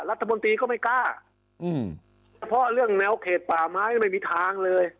รัฐมนตรีก็ไม่กล้าเฉพาะเรื่องแนวเขตป่าไม้ไม่มีทางเลย